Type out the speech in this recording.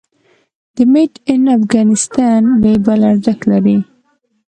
د "Made in Afghanistan" لیبل ارزښت لري؟